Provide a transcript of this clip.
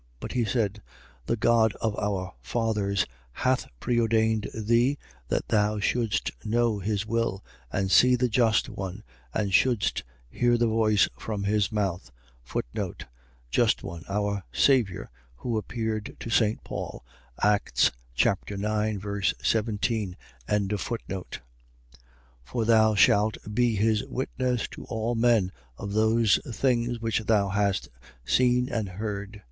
22:14. But he said: The God of our fathers hath preordained thee that thou shouldst know his will and see the Just One and shouldst hear the voice from his mouth. Just One. . .Our Saviour, who appeared to St. Paul, Acts 9. 17. 22:15. For thou shalt be his witness to all men of those things which thou hast seen and heard. 22:16.